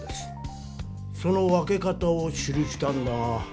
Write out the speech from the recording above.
その分け方を記したんだが。